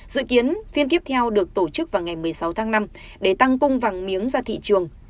dự kiến phiên tiếp theo được tổ chức vào ngày một mươi sáu tháng năm để tăng cung vàng miếng ra thị trường